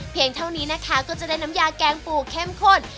เท่านี้นะคะก็จะได้น้ำยาแกงปูเข้มข้น